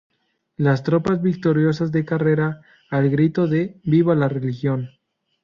Las tropas victoriosas de Carrera, al grito de "¡Viva la religión!